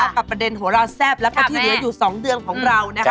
ประเด็นโหราแซ่บแล้วก็ที่เหลืออยู่๒เดือนของเรานะคะ